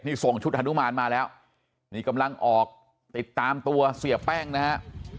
นี่ส่งชุดฮานุมานมาแล้วนี่กำลังออกติดตามตัวเสียแป้งนะฮะ